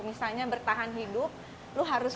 misalnya bertahan hidup lo harus